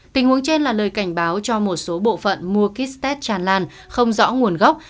tình huống trên là lời cảnh báo cho một số bộ phận mua kích tết tràn lan không rõ nguồn gốc